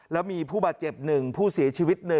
แล้วมีผู้บาดเจ็บ๑ผู้เสียชีวิต๑